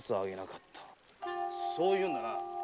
そう言うんだな？